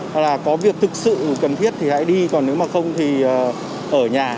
hoặc là có việc thực sự cần thiết thì hãy đi còn nếu mà không thì ở nhà